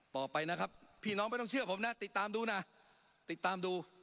ต่อไปนะครับพี่น้องไม่ต้องเชื่อผมนะติดตามดูนะติดตามดู